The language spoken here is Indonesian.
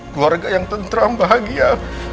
keluarga yang tentram bahagia